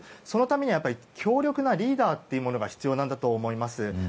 そのために強力なリーダーというものが必要なんだと思います。